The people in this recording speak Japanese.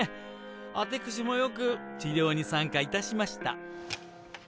アテクシもよく治療に参加いたしました。